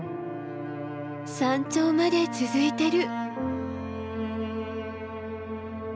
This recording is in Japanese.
山頂まで続いてる。